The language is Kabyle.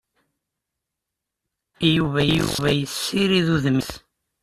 Yuba yessirid udem-is.